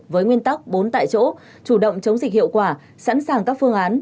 với nguyên tắc bốn tại chỗ chủ động chống dịch hiệu quả sẵn sàng các phương án